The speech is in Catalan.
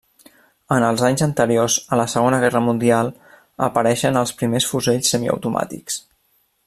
En els anys anteriors a la Segona Guerra Mundial apareixen els primers fusells semiautomàtics.